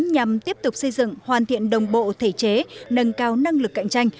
nhằm tiếp tục xây dựng hoàn thiện đồng bộ thể chế nâng cao năng lực cạnh tranh